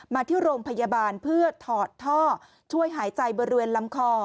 มาที่โรงพยาบาลเพื่อถอดท่อช่วยหายใจบริเวณลำคอ